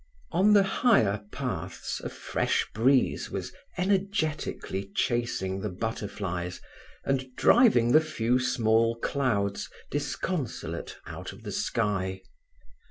On the higher paths a fresh breeze was energetically chasing the butterflies and driving the few small clouds disconsolate out of the sky.